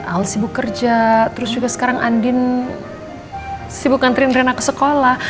al sibuk kerja terus juga sekarang andin sibuk ngantriin rena ke sekolah